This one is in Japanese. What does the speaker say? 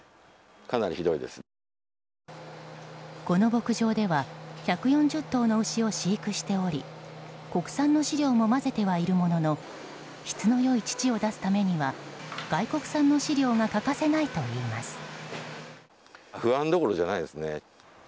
この牧場では１４０頭の牛を飼育しており国産の飼料も混ぜてはいるものの質の良い乳を出すためには外国産の飼料が欠かせないといいます。